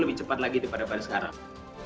lebih cepat lagi daripada sekarang